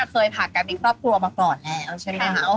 เคยผ่านการมีครอบครัวมาก่อนแหละเอาใช่ไหมครับ